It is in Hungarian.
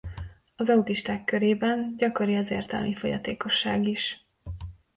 Az autisták körében gyakori az értelmi fogyatékosság is.